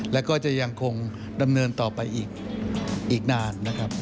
และก็จะยังคงดำเนินต่อไปอีกนาน